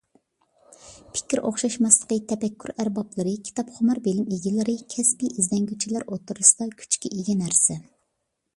پىكىر ئوخشاشماسلىقى تەپەككۇر ئەربابلىرى، كىتاپخۇمار بىلىم ئىگىلىرى، كەسپىي ئىزدەنگۈچىلەر ئوتتۇرسىدا كۈچكە ئىگە نەرسە.